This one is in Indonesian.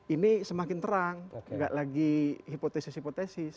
ini semakin terang nggak lagi hipotesis hipotesis